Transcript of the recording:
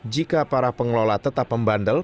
jika para pengelola tetap membandel